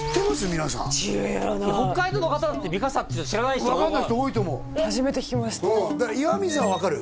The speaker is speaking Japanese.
皆さん北海道の方だって三笠っていうと知らない人が多い分かんない人多いと思う初めて聞きました岩見沢は分かる？